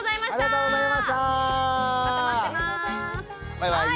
バイバーイ。